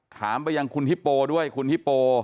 ถามไปยังคุณฮิปโปด้วยคุณฮิปโป